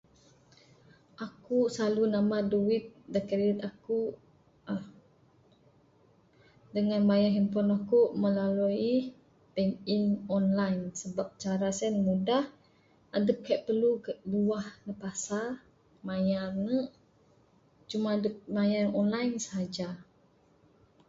Akuk slalu nambah duit da kredit akuk aa.. dengan mayar handpon aku melalui bank in online. Sebab cara sien mudah. Adup kai perlu luah ndug pasar mayar ne. Cuma adup mayar online saja.